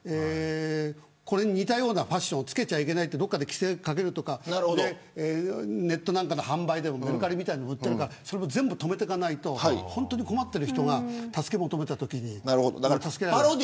これに似たようなファッションを付けちゃいけないと規制をかけたりとかネットなんかの販売でもメルカリでも売っているからそれを止めていかないと本当に困っている人が助けを求めたときに助けられない。